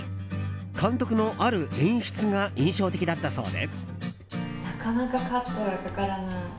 監督の、ある演出が印象的だったそうで。